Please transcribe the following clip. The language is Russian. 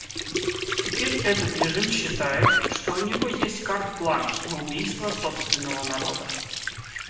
Теперь этот режим считает, что у него есть карт-бланш на убийство собственного народа.